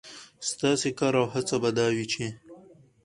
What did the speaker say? ستاسې کار او هڅه به دا وي، چې